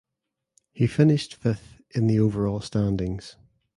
He finished fifth in the overall standings.